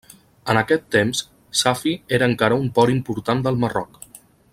En aquest temps, Safi era encara un port important del Marroc.